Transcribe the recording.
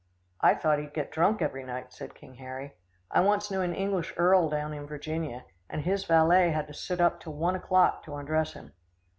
"I thought he'd get drunk every night," said King Harry. "I once knew an English earl down in Virginia, and his valet had to sit up till one o'clock to undress him."